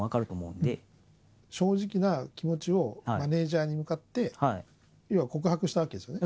正直な気持ちを、マネージャーに向かって、要は告白したわけですよね。